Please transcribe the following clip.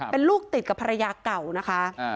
เป็นลูกติดกับภรรยาเก่านะคะ